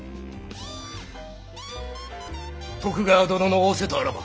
徳川殿の仰せとあらば。